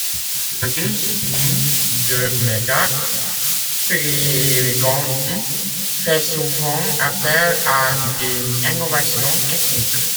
Le design de Meda, épuré et élégant, fait souvent appel à des innovations techniques.